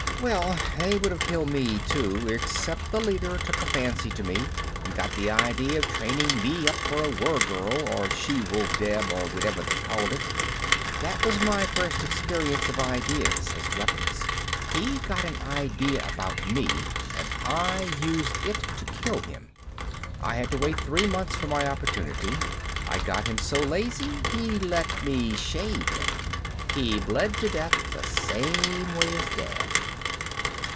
"Well, they would have killed me too, except the leader took a fancy to me and got the idea of training me up for a Weregirl or She wolf Deb or whatever they called it." "That was my first experience of ideas as weapons. He got an idea about me and I used it to kill him. I had to wait three months for my opportunity. I got him so lazy he let me shave him. He bled to death the same way as Dad."